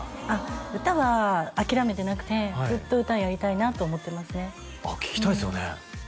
あっ歌は諦めてなくてずっと歌やりたいなと思ってますね聴きたいですよね